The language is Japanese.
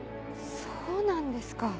そうなんですか。